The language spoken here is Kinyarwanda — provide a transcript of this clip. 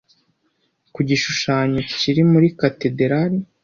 Ku gishushanyo kiri muri Katedrali